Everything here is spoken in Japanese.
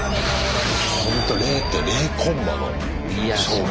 ほんと０．０コンマの勝負でしょ。